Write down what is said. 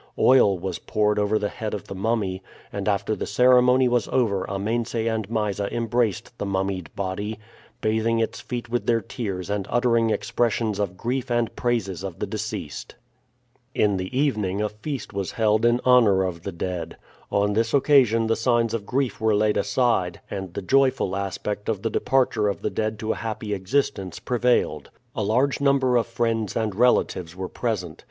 Oil was poured over the head of the mummy, and after the ceremony was over Amense and Mysa embraced the mummied body, bathing its feet with their tears and uttering expressions of grief and praises of the deceased. In the evening a feast was held in honor of the dead. On this occasion the signs of grief were laid aside, and the joyful aspect of the departure of the dead to a happy existence prevailed. A large number of friends and relatives were present.